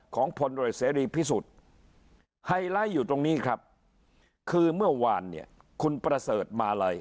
ของพลโดยเสรีพิสุทธิ์ไฮไลท์อยู่ตรงนี้ครับคือเมื่อวานเนี่ยคุณประเสริฐมาลัย